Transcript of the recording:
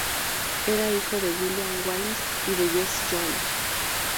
Era hijo de William Wallis y de Jessie Holmes.